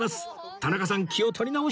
田中さん気を取り直して！